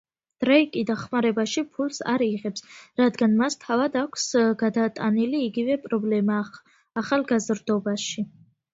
დრეიკი დახმარებაში ფულს არ იღებს, რადგან მას თავად აქვს გადატანილი იგივე პრობლემა ახალგაზრდობაში.